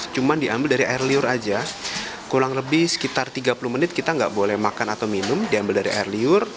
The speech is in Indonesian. cuma diambil dari air liur aja kurang lebih sekitar tiga puluh menit kita nggak boleh makan atau minum diambil dari air liur